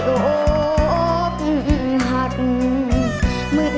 บอกเสียใจเลยเหมือนเคยอบหัก